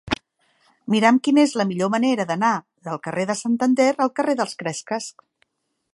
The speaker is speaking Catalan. Mira'm quina és la millor manera d'anar del carrer de Santander al carrer dels Cresques.